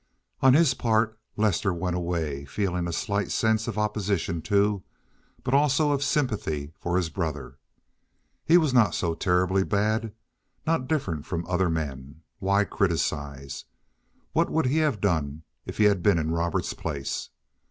On his part Lester went away feeling a slight sense of opposition to, but also of sympathy for, his brother. He was not so terribly bad—not different from other men. Why criticize? What would he have done if he had been in Robert's place?